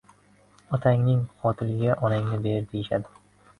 Otangning qotiliga onangni ber, deyishadi.